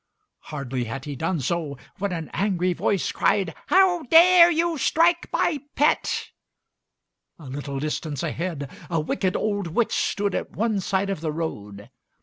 Hardly had he done so, when an angry voice cried, "How dare you strike my pet?" A little distance ahead, a wicked old witch stood at one side of the road.